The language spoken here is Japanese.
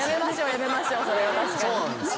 やめましょうそれは確かに。